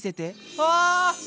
うわ！